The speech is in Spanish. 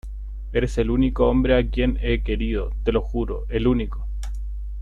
eres el único hombre a quien he querido, te lo juro , el único...